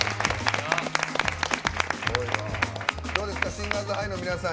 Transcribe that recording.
シンガーズハイの皆さん